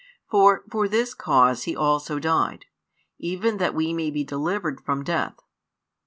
For for this cause He also died, even that we may be delivered from death.